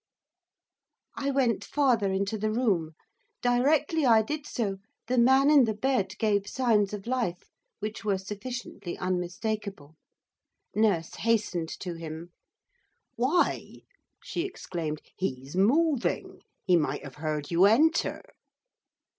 I went farther into the room. Directly I did so the man in the bed gave signs of life which were sufficiently unmistakable. Nurse hastened to him. 'Why,' she exclaimed, 'he's moving! he might have heard you enter!